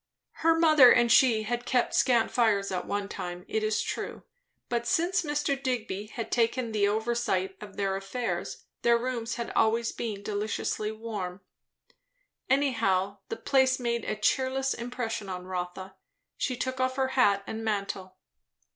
Her mother and she had kept scant fires at one time, it is true; but since Mr. Digby had taken the oversight of their affairs, their rooms had been always deliciously warm. Anyhow, the place made a cheerless impression on Rotha. She took off her hat and mantle.